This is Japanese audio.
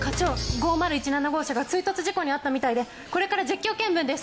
５０１７号車が追突事故に遭ったみたいでこれから実況見分です。